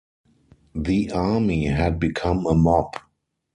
The army had become a mob.